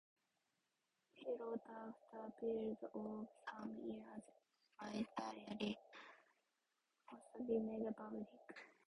He wrote After a period of some years my diary must be made public.